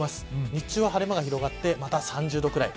日中は晴れ間が広がってまた３０度ぐらい。